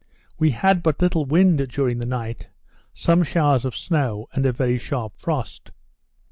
We had but little wind during the night, some showers of snow, and a very sharp frost.